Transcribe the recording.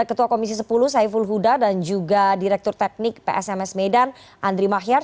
ketua komisi sepuluh saiful huda dan juga direktur teknik psms medan andri maher